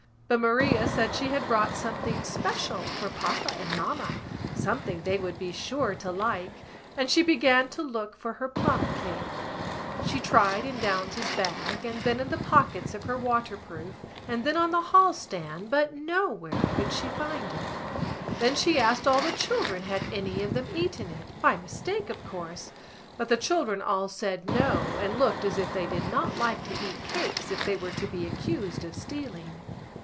But Maria said she had brought something special for papa and mamma, something they would be sure to like, and she began to look for her plumcake. She tried in Downes's bag and then in the pockets of her waterproof and then on the hallstand but nowhere could she find it. Then she asked all the children had any of them eaten it—by mistake, of course—but the children all said no and looked as if they did not like to eat cakes if they were to be accused of stealing.